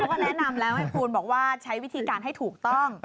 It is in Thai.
ก็แนะนำแล้วให้คุณบอกว่าใช้วิธีการให้ถูกต้อง